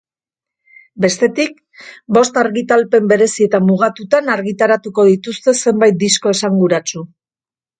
Bestetik, bost argitalpen berezi eta mugatutan argitaratuko dituzte zenbait disko esanguratsu.